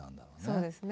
そうですね。